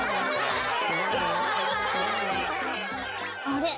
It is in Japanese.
あれ？